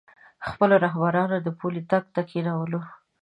خپلو رهبرانو د پولۍ ټک ته کېنولو.